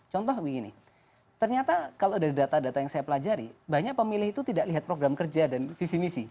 contoh begini ternyata kalau dari data data yang saya pelajari banyak pemilih itu tidak lihat program kerja dan visi misi